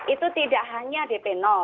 itu tidak hanya dp